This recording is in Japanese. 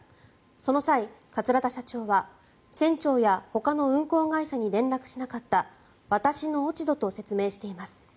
その際、桂田社長は船長やほかの運航会社に連絡しなかった私の落ち度と説明しています。